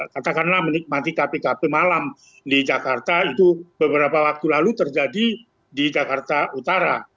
katakanlah menikmati kpkp malam di jakarta itu beberapa waktu lalu terjadi di jakarta utara